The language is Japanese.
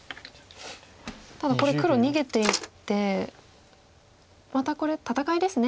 ただこれ黒逃げていってまたこれ戦いですね。